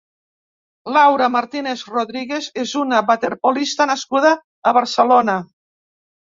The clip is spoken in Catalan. Laura Martínez Rodríguez és una waterpolista nascuda a Barcelona.